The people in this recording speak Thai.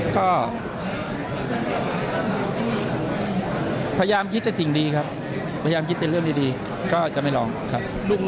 ก็พยายามคิดแต่สิ่งดีครับพยายามคิดแต่เรื่องดีก็จะไม่ร้องครับ